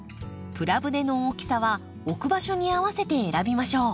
プラ舟の大きさは置く場所に合わせて選びましょう。